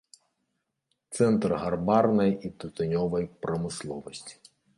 Цэнтр гарбарнай і тытунёвай прамысловасці.